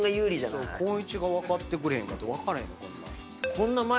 光一分かってくれへんかったら分からへんよこんなん。